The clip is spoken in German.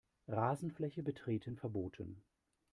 Rasenfläche betreten verboten.